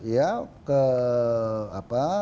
ya ke apa